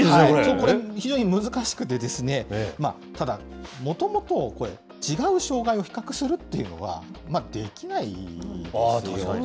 これ、非常に難しくて、ただ、もともとこれ、違う障害を比較するっていうのは、できないですよね。